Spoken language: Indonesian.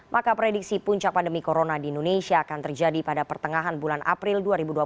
maka prediksi puncak pandemi corona di indonesia akan terjadi pada pertengahan bulan april dua ribu dua puluh